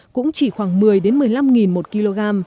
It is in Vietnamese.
cũng chỉ khoảng một mươi một mươi năm một kg